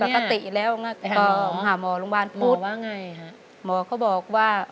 มันต้องผิดปกติแล้วก็หาหมอโรงพยาบาลพูดหมอว่าไงฮะหมอเขาบอกว่า